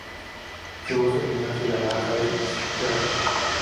Su voz original se la da Harry Shearer.